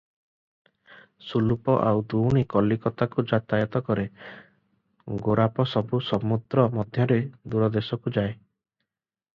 ସୁଲୁପ ଆଉ ଦୁଉଣୀ କଲିକତାକୁ ଯାତାୟତ କରେ, ଗୋରାପ ସବୁ ସମୁଦ୍ର ମଧ୍ୟରେ ଦୂର ଦେଶକୁ ଯାଏ ।